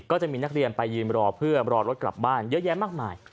ก็จะมีนักเรียนไปยืนรอเพื่อรอรถกลับบ้านเยอะแยะมากมาย